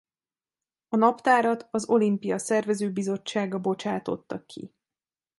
A naptárat az olimpia szervezőbizottsága bocsátotta ki.